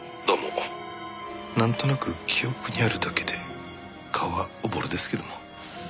なんとなく記憶にあるだけで顔はおぼろですけども。